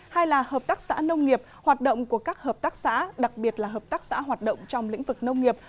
hai là hợp tác xã nông nghiệp hoạt động của các hợp tác xã đặc biệt là hợp tác xã hoạt động trong lĩnh vực nông nghiệp